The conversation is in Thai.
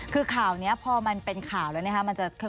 คือข่าวเนี่ยพอมันเป็นข่าวแล้วเนี่ยค่ะ